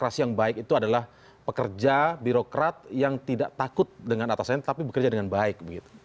narasi yang baik itu adalah pekerja birokrat yang tidak takut dengan atasannya tapi bekerja dengan baik